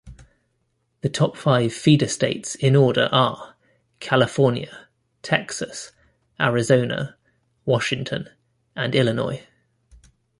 The top five feeder states in order are California, Texas, Arizona, Washington, and Illinois.